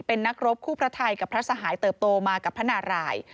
เป็นนักรบคู่พระไทยกับพระสหายเติบโตมากับพระนาราย